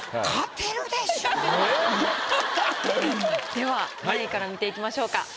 では何位から見ていきましょうか？